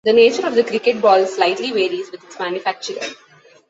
The nature of the cricket ball slightly varies with its manufacturer.